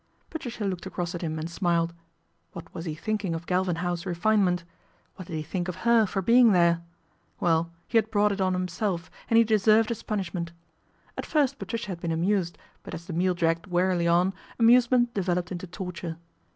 Patricia looked across at him and smiled. What was he thinking of Galvin House refinement ? What did he think of her for being there ? Well, he had brought it on himself and he deserved his punishment. At first Patricia had been amused: but as the meal dragged wearily on, amusement GALVIN HOUSE MEETS A LORD 201 developed into torture.